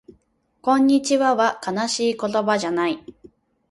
こんにちはは悲しい言葉じゃない